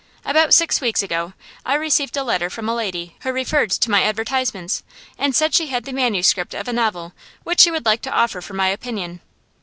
About six weeks ago I received a letter from a lady who referred to my advertisements, and said she had the manuscript of a novel which she would like to offer for my opinion.